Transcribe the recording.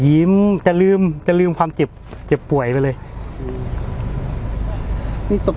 พี่ชอบจริงบอกว่าชอบทุก